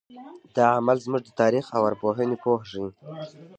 دا عمل زموږ د تاریخ او ارواپوهنې پوهه ښیي.